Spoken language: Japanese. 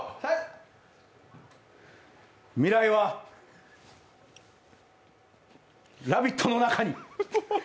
未来は「ラヴィット！」の中に。